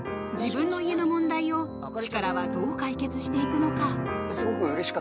自分の家の問題をチカラはどう解決していくのか？